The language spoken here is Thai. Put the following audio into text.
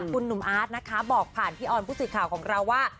คุณหนุ่มอาร์ตนะคะบอกผ่านพี่ออนผู้สื่อข่าวของเราว่า